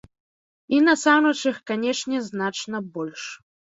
І, насамрэч, іх, канешне, значна больш.